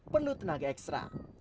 perlu tenaga ekstra